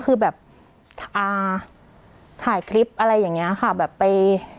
คือแบบอ่าถ่ายคลิปอะไรอย่างเงี้ยค่ะแบบไป